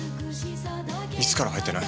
いつから入ってない？